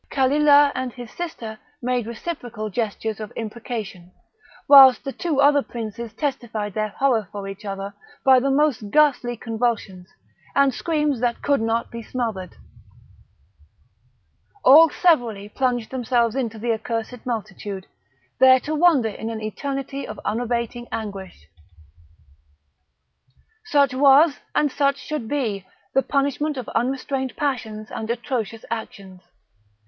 Kalilah and his sister made reciprocal gestures of imprecation, whilst the two other princes testified their horror for each other by the most ghastly convulsions, and screams that could not be smothered. All severally plunged themselves into the accursed multitude, there to wander in an eternity of unabating anguish. Such was, and such should be, the punishment of unrestrained passions and atrocious actions!